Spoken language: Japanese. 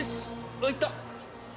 「あっいった！」